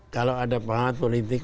kalau ada penganggapan politik